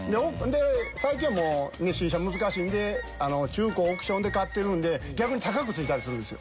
最近はもう新車難しいんで中古をオークションで買ってるんで逆に高くついたりするんですよ